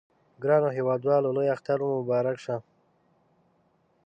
ګرانو هیوادوالو لوی اختر مو مبارک شه!